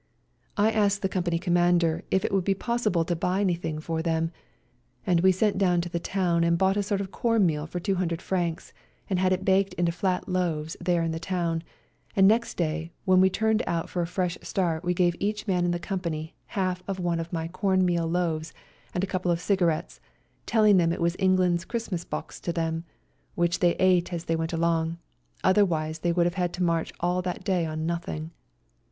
I asked the ELBASAN 159 company Commander if it would be pos sible to buy anything for them, and we sent down into the town and bought a sort of corn meal for Frs. 200, and had it baked into flat loaves there in the town, and next day when we turned out for a fresh start we gave each man in the company half of one of my corn meal loaves and a couple of cigarettes, telling them it was England's Christmas box to them, which they ate as they went along, otherwise they would have had to march all that day on nothing.